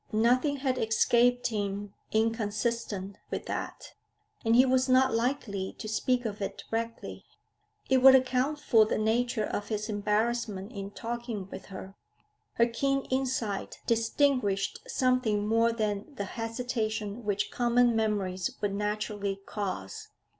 Nothing had escaped him inconsistent with that, and he was not likely to speak of it directly. It would account for the nature of his embarrassment in talking with her; her keen insight distinguished something more than the hesitation which common memories would naturally cause.